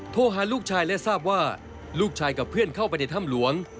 โทรหาลูกชายและทราบว่าลูกชายกับเพื่อนเข้าไปในถ้ำหลวง